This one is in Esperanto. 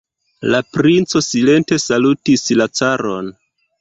La princo silente salutis la caron.